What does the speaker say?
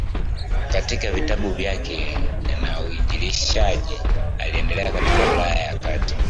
katika vitabu vyake na uinjilishaji uliendelea katika Ulaya ya Kati